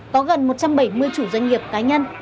có gần một trăm bảy mươi chủ doanh nghiệp cá nhân